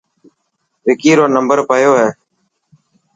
وڪي رو نمبر پيو هي.